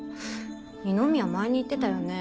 二宮前に言ってたよね。